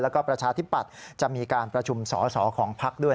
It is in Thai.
แล้วก็ประชาธิปัตย์จะมีการประชุมสอสอของพักด้วย